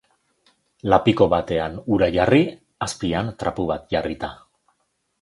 Lapiko batean ura jarri, azpian trapu bat jarrita.